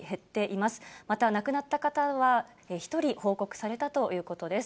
また亡くなった方は１人報告されたということです。